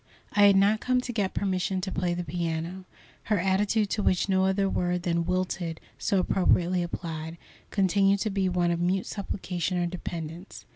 I had not come to get permission to play the piano. Her attitude, to which no other word than "wilted" so appropriately applied, continued to be one of mute supplication or dependence.